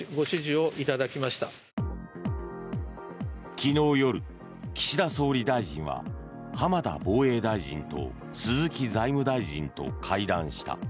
昨日夜、岸田総理大臣は浜田防衛大臣と鈴木財務大臣と会談した。